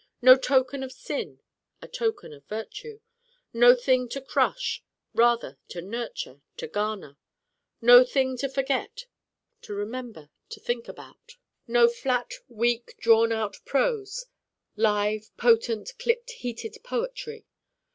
no token of sin: a token of virtue. no thing to crush: rather to nurture, to garner. no thing to forget: to remember, to think about. no flat weak drawn out prose: live potent clipped heated poetry.